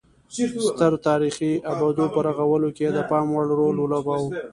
ستر تاریخي ابدو په رغولو کې یې د پام وړ رول ولوباوه